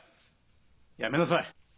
やめなさい！